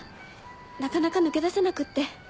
なかなか抜け出せなくって。